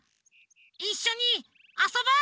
いっしょにあそぼう！